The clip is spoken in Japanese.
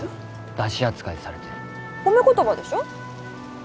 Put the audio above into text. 出汁扱いされて褒め言葉でしょ？